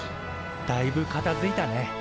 だいぶかたづいたね。